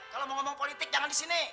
kalau mau ngomong politik jangan di sini